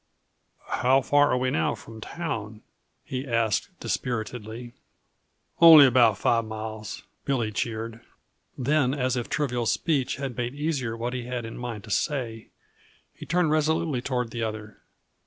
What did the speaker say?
"How far are we now from town?" he asked dispiritedly. "Only about five miles," Billy cheered. Then, as if trivial speech had made easier what he had in mind to say, he turned resolutely toward the other.